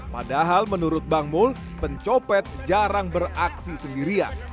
padahal menurut bang mul pencopet jarang beraksi sendirian